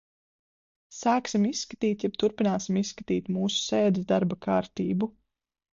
Sāksim izskatīt jeb turpināsim izskatīt mūsu sēdes darba kārtību.